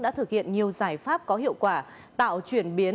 đã thực hiện nhiều giải pháp có hiệu quả tạo chuyển biến